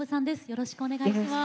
よろしくお願いします。